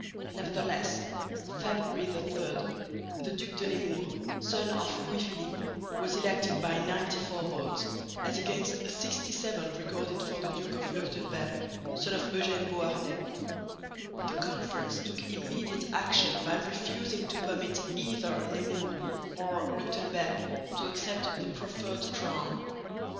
Nevertheless (February 3) the Duc de Nemours, son of Louis Philippe, was elected by 94 votes, as against 67 recorded for the Duke of Leuchtenberg, son of Eugène Beauharnais. The Conference took immediate action by refusing to permit either Nemours or Leuchtenberg to accept the proffered crown.